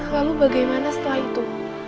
lalu bagaimana setelah itu